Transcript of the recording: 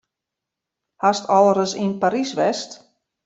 Hast al ris yn Parys west?